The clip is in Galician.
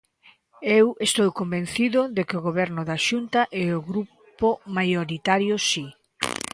Eu estou convencido de que o Goberno da Xunta e o grupo maioritario si.